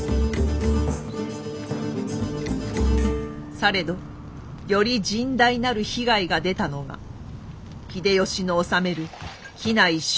されどより甚大なる被害が出たのが秀吉の治める畿内周辺でございました。